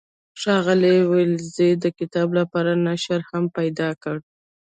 ښاغلي ولیزي د کتاب لپاره ناشر هم پیدا کړ.